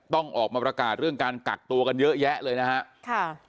ต้องออกมาประกาศเรื่องการกักตัวกันเยอะแยะเลยนะฮะค่ะ